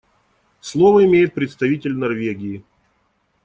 Слово имеет представитель Норвегии.